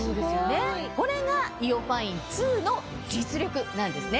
これがＩＯファイン２の実力なんですね。